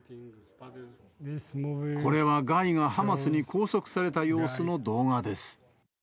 これはガイがハマスに拘束された様子の動画です。